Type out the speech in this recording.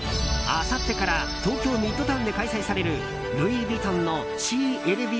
あさってから東京ミッドタウンで開催されるルイ・ヴィトンの「ＳＥＥＬＶ」展。